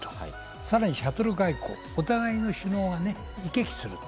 さらにシャトル外交、お互いの首脳がね、行き来する。